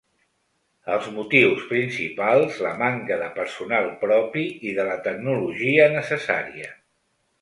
Els motius principals, la manca de personal propi i de la tecnologia necessària.